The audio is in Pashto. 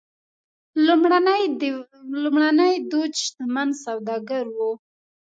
لومړنی دوج شتمن سوداګر و.